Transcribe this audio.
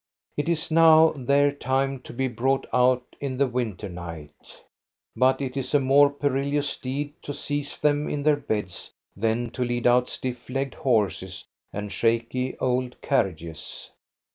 It is now their time to be brought out in the winter night ; but it is a more perilous deed to seize them in their beds than to lead out stiff legged horses and shaky old carriages.